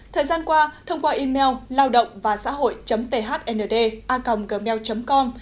thời gian qua thông qua email lao độngvasahoi thnd a gmail com